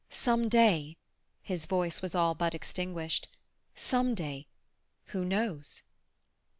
Some day," his voice was all but extinguished, "some day—who knows?"